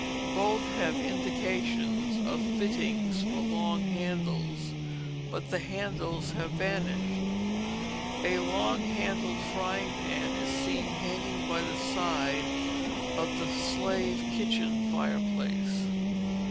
Both have indications of fittings for long handles, but the handles have vanished. A long handled frying pan is seen hanging by the side of the slave kitchen fireplace.